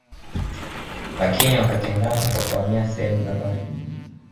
Lakini wakatengana kwa kuhamia sehemu za mbali